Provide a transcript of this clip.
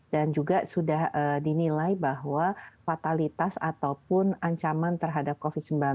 dan juga sudah dinilai bahwa fatalitas ataupun ancaman terhadap covid sembilan belas